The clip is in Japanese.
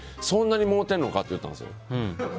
そんなにもろてんのかって言ったんですよ。